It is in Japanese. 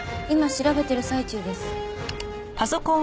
今調べてる最中です。